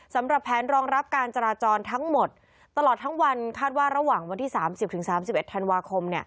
สำหรับแผนรองรับการจราจรทั้งหมดตลอดทั้งวันคาดว่าระหว่างวันที่๓๐๓๑ธันวาคม